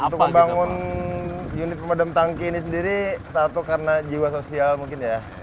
untuk membangun unit pemadam tangki ini sendiri satu karena jiwa sosial mungkin ya